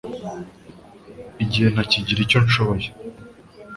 Igihe ntakigira icyo nshoboye